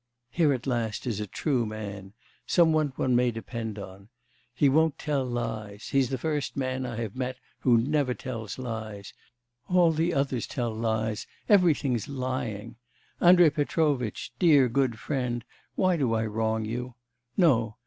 Here at last is a true man; some one one may depend upon. He won't tell lies; he's the first man I have met who never tells lies; all the others tell lies, everything's lying. Andrei Petrovitch, dear good friend, why do I wrong you? No!